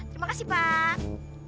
terima kasih pak